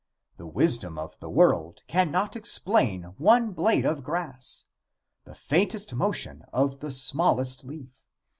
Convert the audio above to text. The wisdom of the world cannot explain one blade of grass, the faintest motion of the smallest leaf.